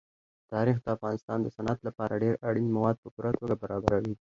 تاریخ د افغانستان د صنعت لپاره ډېر اړین مواد په پوره توګه برابروي.